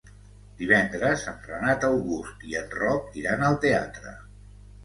Divendres en Renat August i en Roc iran al teatre.